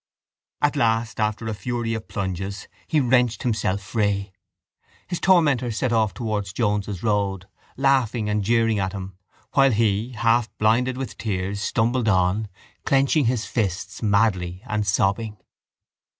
At last after a fury of plunges he wrenched himself free. His tormentors set off towards Jones's Road, laughing and jeering at him, while he, half blinded with tears, stumbled on, clenching his fists madly and sobbing.